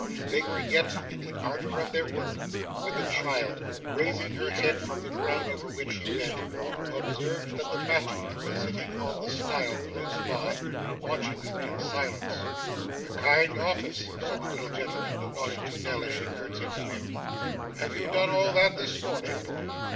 They were yet in the ardour of their work, when the child, raising her head from the ground over which she bent, observed that the bachelor was sitting on the stile close by, watching them in silence. 'A kind office,' said the little gentleman, nodding to Nell as she curtseyed to him. 'Have you done all that, this morning?